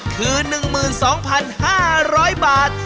คือ๑๒๕๐๐บาท